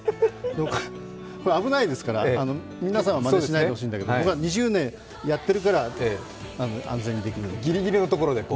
危ないですから、皆さんはまねしないでほしいんだけど僕は２０年やってるから安全にできる。